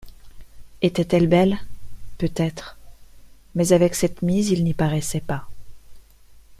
Était-elle belle? peut-être ; mais avec cette mise il n’y paraissait pas.